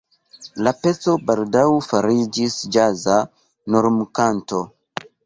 La peco baldaŭ fariĝis ĵaza normkanto.